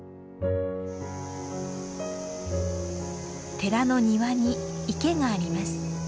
寺の庭に池があります。